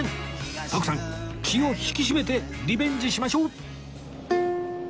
徳さん気を引き締めてリベンジしましょう！